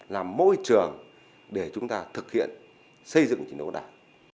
làm môi trường để chúng ta thực hiện xây dựng chính đốn đảng